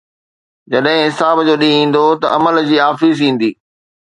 جڏهن حساب جو ڏينهن ايندو ته عمل جي آفيس ايندي